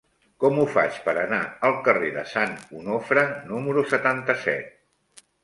Com ho faig per anar al carrer de Sant Onofre número setanta-set?